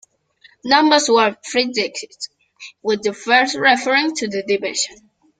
Numbers were three digits, with the first referring to the division.